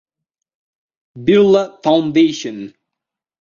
Birla Foundation.